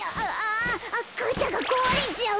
かさがこわれちゃう！